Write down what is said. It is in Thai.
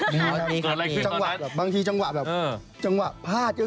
แล้วแก้ปัญหาไงอย่างงี้แหละ